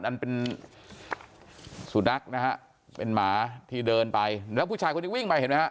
อันเป็นสุนัขนะฮะเป็นหมาที่เดินไปแล้วผู้ชายคนนี้วิ่งไปเห็นไหมฮะ